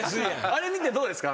あれ見てどうですか？